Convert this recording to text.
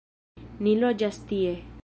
Ni loĝas tie.